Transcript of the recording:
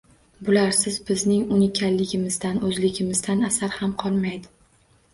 Bularsiz bizning unikalligimizdan, o‘zligimizdan asar ham qolmaydi.